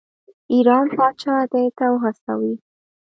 ایران پاچا دې ته وهڅوي.